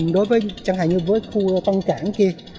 đối với chẳng hạn như với khu tân cảng kia